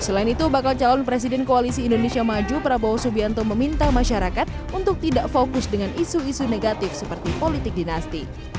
selain itu bakal calon presiden koalisi indonesia maju prabowo subianto meminta masyarakat untuk tidak fokus dengan isu isu negatif seperti politik dinasti